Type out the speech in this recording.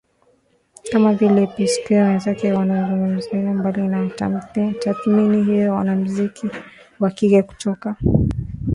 kama vile P Squire Wenzake wanamzungumziaje Mbali na tathmini hiyo mwanamuziki wa kike kutoka